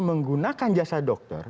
menggunakan jasa dokter